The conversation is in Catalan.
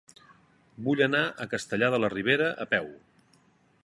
Vull anar a Castellar de la Ribera a peu.